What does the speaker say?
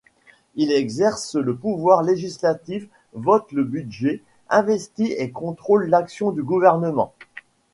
Il exerce le pouvoir législatif, vote le budget, investit et contrôle l'action du gouvernement.